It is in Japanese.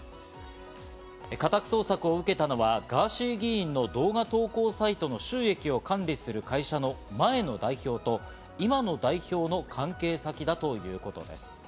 家宅捜索を受けたのは、ガーシー議員の動画投稿サイトの収益を管理する会社の前の代表と、今の代表の関係先だということです。